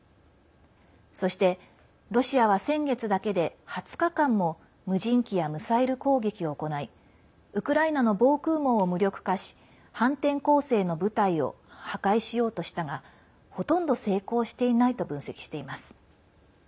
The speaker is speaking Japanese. そして、ロシアは先月だけで２０日間も無人機やミサイル攻撃を行いウクライナの防空網を無力化し反転攻勢の部隊を破壊しようとしたがほとんど成功していないと分析しています。